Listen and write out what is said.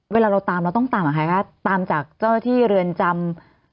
เวลาเราตามเราต้องตามกับใครคะตามจากเจ้าหน้าที่เรือนจำ